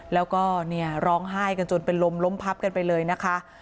แล้วก็เนี่ยร้องไห้กันจนเป็นลมล้มพับกันไปเลยนะคะ